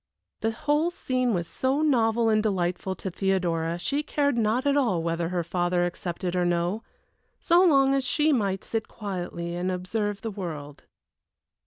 The whole scene was so novel and delightful to Theodora she cared not at all whether her father accepted or no, so long as she might sit quietly and observe the world.